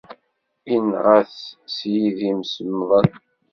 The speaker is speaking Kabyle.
Inɣa-t s yidim semmḍen.